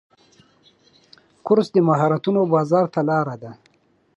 کورس د مهارتونو بازار ته لاره ده.